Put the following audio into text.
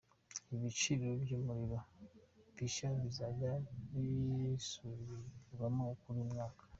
Ibi biciro by’umuriro bishya bizajya bisubirwamo buri mwaka.